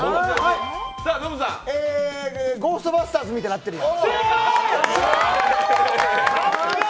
「ゴーストバスターズ」みたいになってるよ？